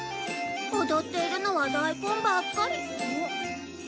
踊っているのはだいこんばっかり。